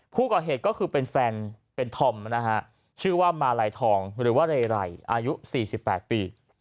ผู้ก่อเหตุก็คือเป็นแฟนเป็นธอมนะฮะชื่อว่ามาลัยทองหรือว่าเรไรอายุ๔๘ปี